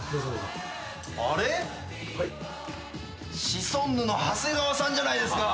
シソンヌの長谷川さんじゃないですか。